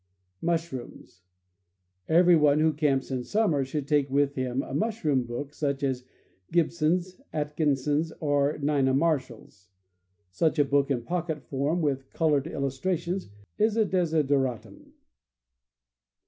Mushrooms. — Every one who camps in summer should take with him a mushroom book, such as Gib son's, Atkinson's, or Nina Marshall's. (Such a book in pocket form, with colored illustrations, is a desidera tum.)